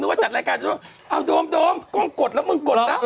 ว่าจัดรายการฉันว่าเอาโดมกล้องกดแล้วมึงกดแล้ว